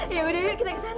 yaudah yuk kita kesana